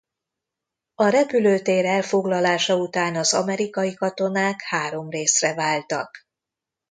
A repülőtér elfoglalása után az amerikai katonák három részre váltak.